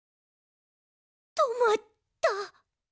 とまった。